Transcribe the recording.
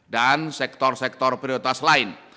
dan sektor sektor prioritas lain